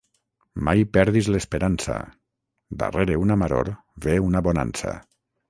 Mai perdis l'esperança: darrere una maror ve una bonança.